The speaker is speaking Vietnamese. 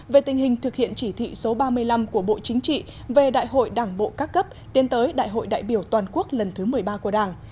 về tình hình thực hiện chỉ thị số ba mươi năm của bộ chính trị về đại hội đảng bộ các cấp tiến tới đại hội đại biểu toàn quốc lần thứ một mươi ba của đảng